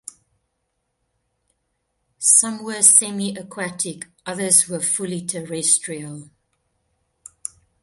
Some were semiaquatic, others were fully terrestrial.